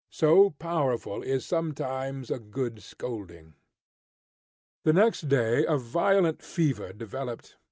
So powerful is sometimes a good scolding! The next day a violent fever developed.